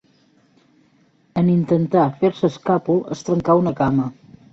En intentar fer-se escàpol, es trencà una cama.